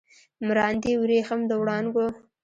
مراندې وریښم د وړانګو